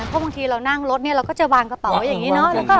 เพราะบางทีเรานั่งรถเราก็จะวางกระเป๋าอย่างนี้